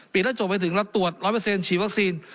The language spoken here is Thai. จบไปถึงแล้วตรวจ๑๐๐ฉีดวัคซีน